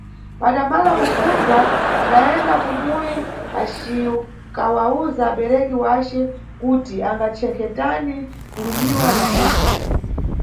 Padamala kupfundza, adayenda kumuyi acikawuza abereki wace kuti angachenkhe tani kulumiwa na mbudu.